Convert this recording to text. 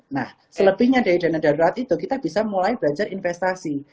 nah selebihnya dari dana darurat itu kita bisa mulai belajar investasi